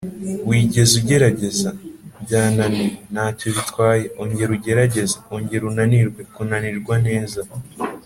“wigeze ugerageza. byananiye. ntacyo bitwaye. ongera ugerageze. ongera unanirwe. kunanirwa neza. ”